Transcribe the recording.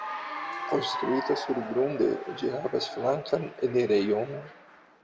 Konstruita surgrunde, ĝi havas flankan enirejon.